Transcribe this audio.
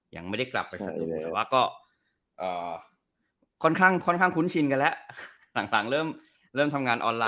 ยังไม่ได้กลับไปสรุปแต่ว่าก็อ่าค่อนข้างค่อนข้างคุ้นชินกันแล้วหลังเริ่มเริ่มทำงานออนไลน์